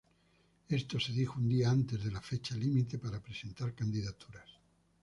Esto se dijo un día antes de la fecha límite para presentar candidaturas.